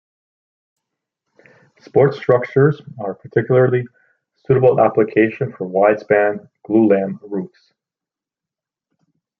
Sports structures are a particularly suitable application for wide-span glulam roofs.